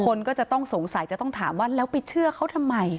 คนก็จะต้องสงสัยจะต้องถามว่าแล้วไปเชื่อเขาทำไม